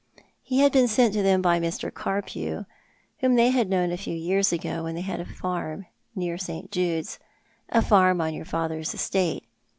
He had been sent to them by Mr. Carpew, whom they had known years ago, when they had a farm near St. j„(le's— a farm on your fatlicr's estate.